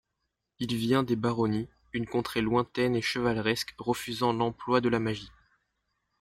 Il vient des Baronnies, une contrée lointaine et chevaleresque refusant l'emploi de la magie.